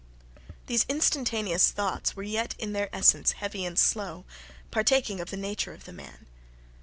These instantaneous thoughts were yet in their essence heavy and slow, partaking of the nature of the man.